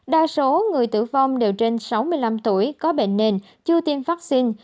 đa số người tử vong đều trên sáu mươi năm tuổi có bệnh nền chưa tiêm vaccine